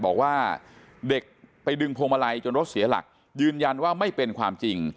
บอกว่าเด็กไปดึงพวงมาลัยจนรถเสียหลักยืนยันว่าไม่เป็นความจริง